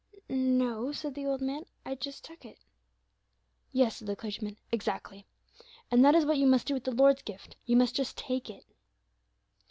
"No," said the old man, "I just took it." "Yes," said the clergyman, "exactly; and that is what you must do with the Lord's gift; you must just take it."